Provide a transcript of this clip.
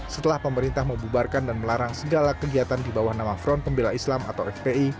setelah pemerintah membubarkan dan melarang segala kegiatan di bawah nama front pembela islam atau fpi